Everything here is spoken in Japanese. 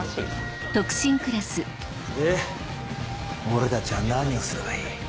俺たちは何をすればいい？